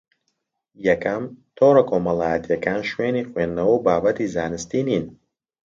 یەکەم: تۆڕە کۆمەڵایەتییەکان شوێنی خوێندنەوە و بابەتی زانستی نین